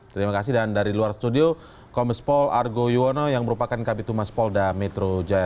terima kasih dan dari luar studio komis pol argo yuwono yang merupakan kapitul mas pol da metro jaya